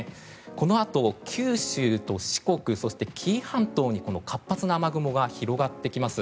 このあと九州と四国そして紀伊半島に活発な雨雲が広がってきます。